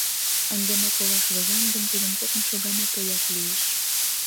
— Ынде мый колаш возам гын, Тудым кокымшо гана тоят лиеш.